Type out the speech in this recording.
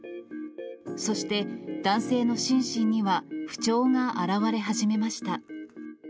そして、男性の心身には不調が現れ始めました。